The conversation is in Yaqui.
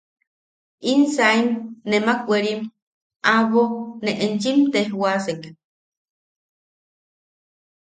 –¡In saim, nemak werim! aʼabo ne enchim tejwasek.